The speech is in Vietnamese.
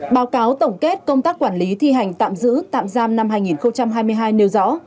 báo cáo tổng kết công tác quản lý thi hành tạm giữ tạm giam năm hai nghìn hai mươi hai nêu rõ